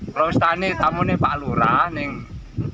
prostani tamu ini pak lurah nih